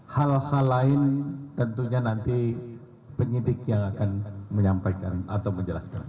hal hal lain tentunya nanti penyidik yang akan menyampaikan atau menjelaskan